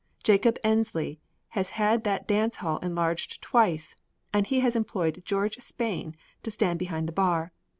Jacob Ensley has had that dance hall enlarged twice and he has employed George Spain to stand behind the bar.